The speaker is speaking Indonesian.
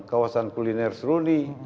kawasan kuliner seruni